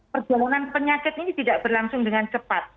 perjalanan penyakit ini tidak berlangsung dengan cepat